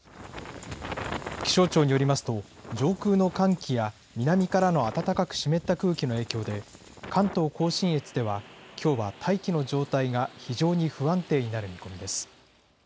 気象庁によりますと、上空の寒気や南からの暖かく湿った空気の影響で、関東甲信越ではきょうは大気の状態が非常に不安定になる見込みです。